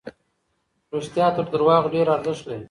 رښتیا تر درواغو ډېر ارزښت لري.